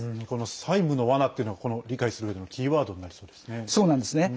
債務の罠というのは理解するうえでのキーワードになりそうですね。